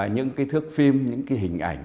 những cái thước phim những cái hình ảnh